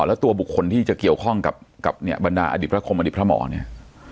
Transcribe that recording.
แล้วตัวบุคคลที่จะเกี่ยวข้องกับเนี่ยบรรดาอดีตพระคมอดีตพระหมอเนี่ย